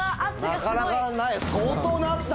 なかなかない。